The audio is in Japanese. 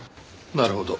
なるほど。